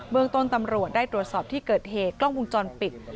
เมืองต้นตำรวจได้ตรวจสอบที่เกิดเหตุกล้องวงจรปิด